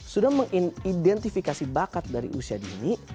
sudah mengidentifikasi bakat dari usia dini